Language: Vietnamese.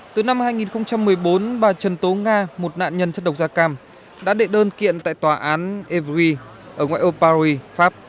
từ năm hai nghìn một mươi bốn bà trần tố nga một nạn nhân chất độc da cam đã đệ đơn kiện tại tòa án evry ở ngoại ô paris pháp